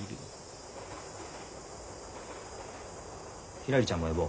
ひらりちゃんも呼ぼう。